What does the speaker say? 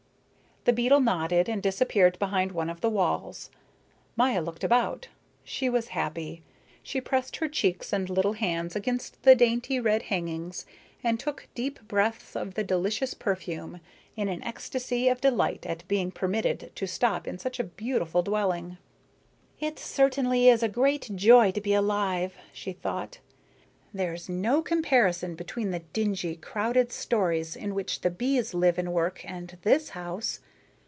The beetle nodded and disappeared behind one of the walls. Maya looked about. She was happy. She pressed her cheeks and little hands against the dainty red hangings and took deep breaths of the delicious perfume, in an ecstasy of delight at being permitted to stop in such a beautiful dwelling. "It certainly is a great joy to be alive," she thought. "And there's no comparison between the dingy, crowded stories in which the bees live and work and this house.